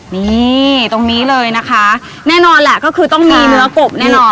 นี่ตรงนี้เลยนะคะแน่นอนแหละก็คือต้องมีเนื้อกบแน่นอน